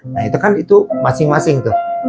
nah itu kan itu masing masing tuh